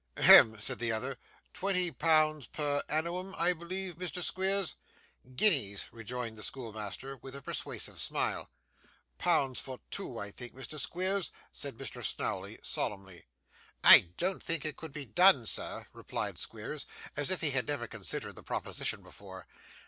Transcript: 'Hem!' said the other. 'Twenty pounds per annewum, I believe, Mr Squeers?' 'Guineas,' rejoined the schoolmaster, with a persuasive smile. 'Pounds for two, I think, Mr. Squeers,' said Mr. Snawley, solemnly. 'I don't think it could be done, sir,' replied Squeers, as if he had never considered the proposition before.